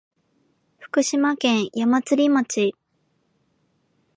福島県矢祭町